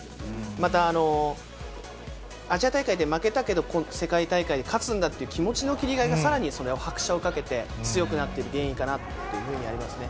また、アジア大会で負けたけど世界大会で勝つんだっていう気持ちの切り替えがさらにそれに拍車をかけて強くなっている原因かなっていうふうに思いますね。